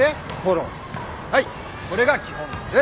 はいこれが基本です。